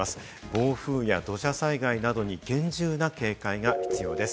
暴風や土砂災害などに厳重な警戒が必要です。